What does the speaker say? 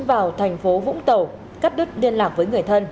vào thành phố vũng tàu cắt đứt liên lạc với người thân